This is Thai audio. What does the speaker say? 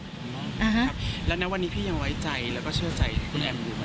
ครับแล้วณวันนี้พี่ยังไว้ใจแล้วก็เชื่อใจคุณแอมอยู่ไหม